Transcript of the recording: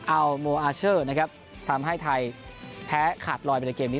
ัลโมอาเชอร์นะครับทำให้ไทยแพ้ขาดลอยไปในเกมนี้